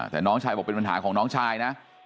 แต่น้องชายบอกเป็นปัญหาของน้องชายนะ